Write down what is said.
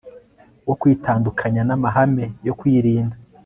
wo kwitandukanya namahame yo kwirinda